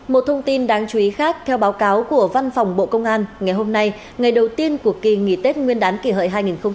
một thông tin đáng chú ý khác theo báo cáo của văn phòng bộ công an ngày hôm nay ngày đầu tiên của kỳ nghỉ tết nguyên đán kỷ hợi hai nghìn một mươi chín